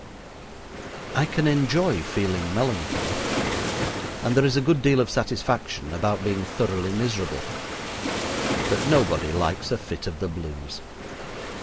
I can enjoy feeling melancholy, and there is a good deal of satisfaction about being thoroughly miserable; but nobody likes a fit of the blues.